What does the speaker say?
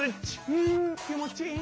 うんきもちいい！